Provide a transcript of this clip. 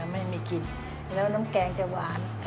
ไม่มีกลิ่นแล้วน้ำแกงจะหวาน